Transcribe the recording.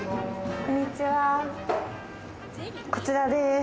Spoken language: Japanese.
こちらです。